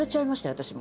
私も。